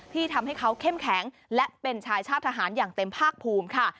ที่ทำให้เขาเข้มแข็งและเป็นชายชาติทหารอย่างเต็มภาคภูมิค่ะ